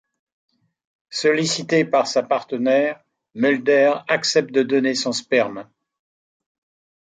Sollicité par sa partenaire, Mulder accepte de donner son sperme.